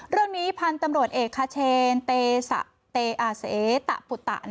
เรื่องนี้พันธุ์ตำรวจเอกคเชนเตสะอาเสตะปุตะ